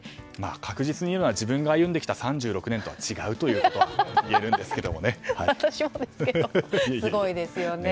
確実に言うなら自分が歩んできた３４年とは違うということだけは言えるんですけどね。